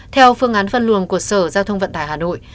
theo phương án phân luồng của sở giao thông vận tải hà nội